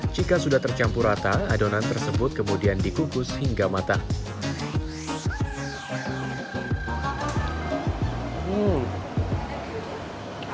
jika sudah tercampur rata adonan tersebut kemudian dikukus hingga matang